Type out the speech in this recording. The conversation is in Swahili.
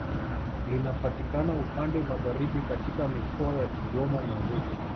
Linapatikana upande Magharibi katika mikoa ya Kigoma na Rukwa